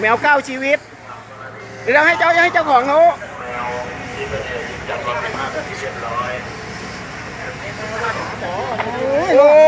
แมวเก้าชีวิตหรือเราให้เจ้าให้เจ้าของโน้น